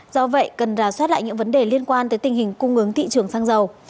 do vậy cần ra soát lại những vấn đề liên quan tới tình hình cung ứng thị trường xăng dầu